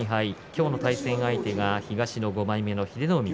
今日の対戦相手が東の５枚目の英乃海